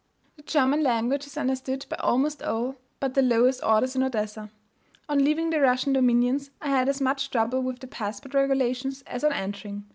The German language is understood by almost all but the lowest orders in Odessa. On leaving the Russian dominions I had as much trouble with the passport regulations as on entering.